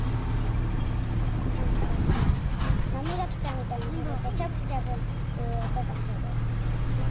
なんかなみがきたみたいにするとチャプチャプっていうおとがする。